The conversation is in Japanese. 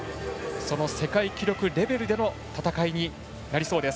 世界記録レベルでの戦いになりそうです。